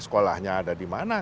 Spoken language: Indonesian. sekolahnya ada di mana